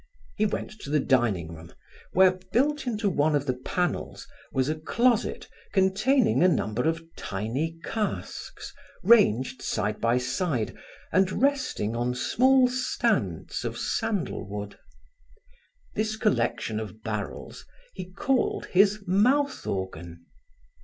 He went to the dining room where, built in one of the panels, was a closet containing a number of tiny casks, ranged side by side, and resting on small stands of sandal wood. This collection of barrels he called his mouth organ.